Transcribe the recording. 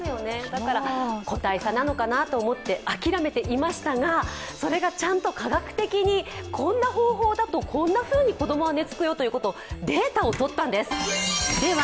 だから、個体差なのかなと思って諦めていましたが、それがちゃんと科学的にこんな方法だとこんなふうにこどもは寝つくよというデータをとったんです。